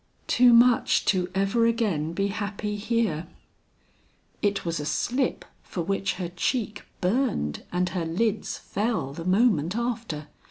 "Too much to ever again be happy here." It was a slip for which her cheek burned and her lids fell, the moment after.